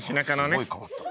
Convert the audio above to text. すごい変わった。